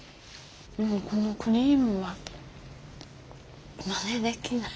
このクリームがまねできない。